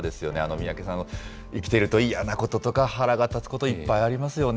三宅さん、生きていると嫌なこととか腹が立つこと、いっぱいありますよね。